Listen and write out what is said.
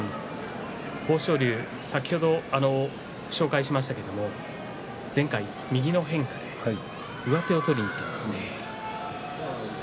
豊昇龍、先ほど紹介しましたが前回、右の変化で上手を取りにいっていますね。